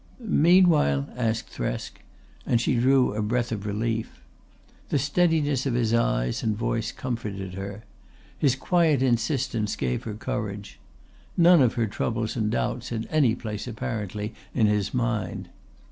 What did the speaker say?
"Meanwhile " asked Thresk; and she drew a breath of relief. The steadiness of his eyes and voice comforted her. His quiet insistence gave her courage. None of her troubles and doubts had any place apparently in his mind.